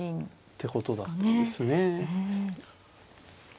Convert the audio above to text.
ってことだったですね。